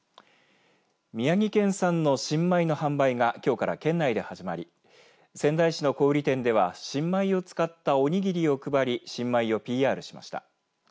宮城県産の新米の販売がきょうから県内で始まり仙台市の小売店では新米を使ったおにぎりを配り新米をＰＲしました。